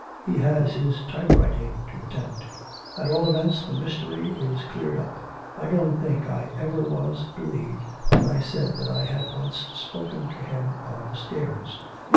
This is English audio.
he has his typewriting to attend to.' 'At all events the mystery is cleared up. I don't think I ever was believed when I said that I had once spoken to him on the stairs.'